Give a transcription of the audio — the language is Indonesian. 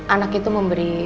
anak itu memberi